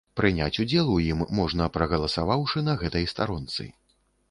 Прыняць удзел у ім можна, прагаласаваўшы на гэтай старонцы.